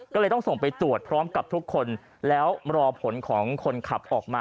ก็เลยต้องส่งไปตรวจพร้อมกับทุกคนแล้วรอผลของคนขับออกมา